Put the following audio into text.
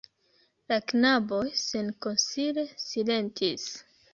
La knaboj senkonsile silentis.